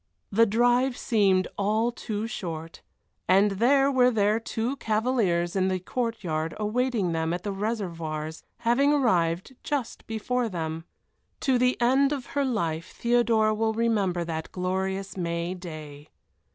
The drive seemed all too short, and there were their two cavaliers in the court yard awaiting them at the Réservoirs, having arrived just before them. To the end of her life Theodora will remember that glorious May day.